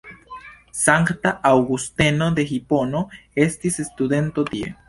Sankta Aŭgusteno de Hipono estis studento tie.